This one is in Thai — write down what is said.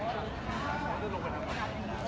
อันที่สุดท้ายก็คือภาษาอันที่สุดท้าย